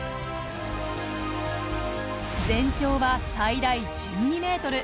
全長は最大１２メートル。